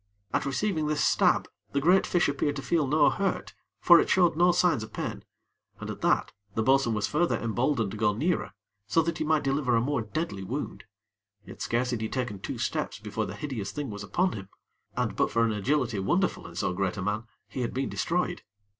At receiving this stab, the great fish appeared to feel no hurt for it showed no signs of pain, and, at that, the bo'sun was further emboldened to go nearer, so that he might deliver a more deadly wound; yet scarce had he taken two steps before the hideous thing was upon him, and, but for an agility wonderful in so great a man, he had been destroyed.